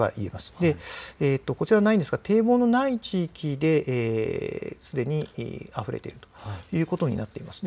こちらは、堤防のない地域ですでに、あふれているということになっています。